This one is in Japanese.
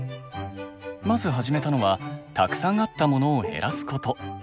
まず始めたのはたくさんあったモノを減らすこと。